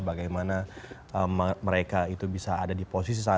bagaimana mereka itu bisa ada di posisi satu